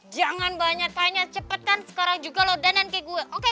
jangan banyak tanya cepet kan sekarang juga lo dan anke gue oke